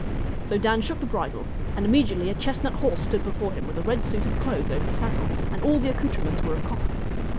So Dan shook the bridle, and immediately a chest nut horse stood before him with a red suit of clothes over the saddle, and all the accoutrements were of copper.